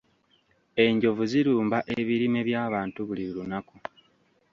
Enjovu zirumba ebirime by'abantu buli lunaku.